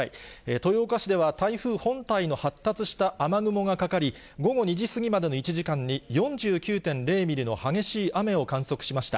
豊岡市では台風本体の発達した雨雲がかかり、午後２時過ぎまでの１時間に４９．０ミリの激しい雨を観測しました。